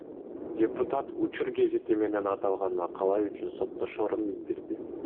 Депутат Учур гезити менен аталган макала үчүн соттошорун билдирди.